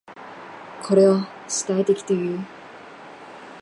これを主体的という。